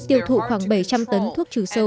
tiêu thụ khoảng bảy trăm linh tấn thuốc trừ sâu